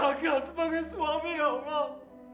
hamba gagal sebagai suami ya allah